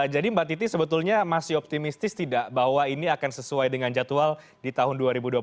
jadi mbak titi sebetulnya masih optimistis tidak bahwa ini akan sesuai dengan jadwal di tahun dua ribu dua puluh empat